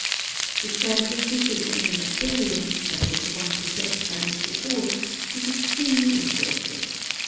The study of fishes in an aquarium, such as the one possessed by Mr. Ford, is extremely interesting.